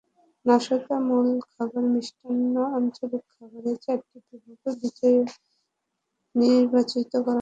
নাশতা, মূল খাবার, মিষ্টান্ন, আঞ্চলিক খাবার—এ চারটি বিভাগে বিজয়ী নির্বাচিত করা হবে।